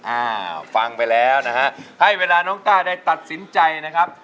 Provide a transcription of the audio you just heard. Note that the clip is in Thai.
อ่าฟังไปแล้วนะฮะให้เวลาน้องต้าได้ตัดสินใจนะครับ